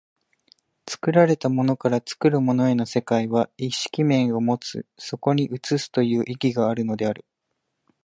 作られたものから作るものへの世界は意識面を有つ、そこに映すという意義があるのである。